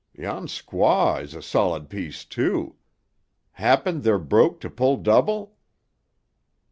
Yon squaw is a solid piece, too. Happen they're broke to pull double?"